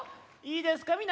いいですか？